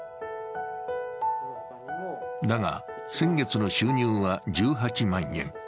だが、先月の収入は１８万円。